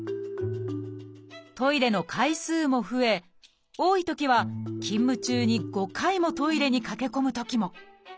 トイレの回数も増え多いときは勤務中に５回もトイレに駆け込むときも。